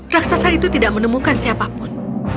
raksasa itu tidak menemukan siapapun